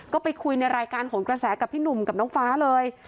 ก็ไปคุยในรายการหนกระแสกับพี่หนุ่มกับน้องฟ้าเลย